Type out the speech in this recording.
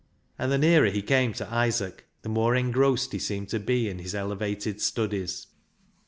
And the nearer he came to Isaac the more engrossed he seemed to be in his elevated studies.